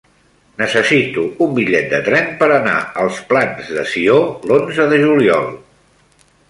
Necessito un bitllet de tren per anar als Plans de Sió l'onze de juliol.